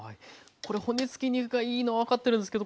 これ骨付き肉がいいのは分かってるんですけど